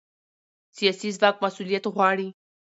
سیاسي ځواک مسؤلیت غواړي